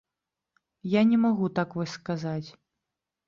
Я не магу так вось сказаць.